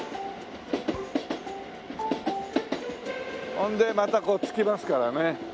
ほんでまたつきますからね。